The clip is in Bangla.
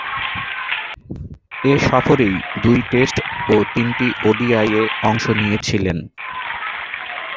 এ সফরেই দুই টেস্ট ও তিনটি ওডিআইয়ে অংশ নিয়েছিলেন।